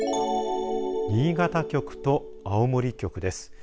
新潟局と青森局です。